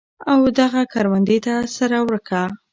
ودغه کروندې ته سره ورکه.